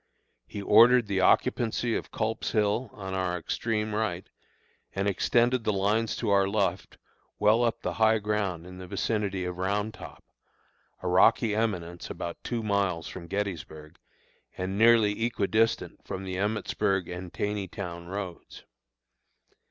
He ordered the occupancy of Culp's Hill on our extreme right, and extended the lines to our left well up the high ground in the vicinity of Round Top, a rocky eminence about two miles from Gettysburg, and nearly equi distant from the Emmitsburg and Taneytown roads.